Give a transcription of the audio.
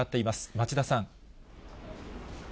町田さん。